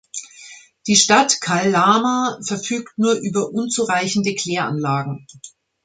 Die Stadt Calama verfügt nur über unzureichende Kläranlagen.